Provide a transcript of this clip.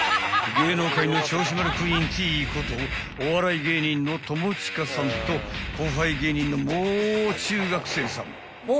［芸能界の銚子丸クイーンＴことお笑い芸人の友近さんと後輩芸人のもう中学生さん］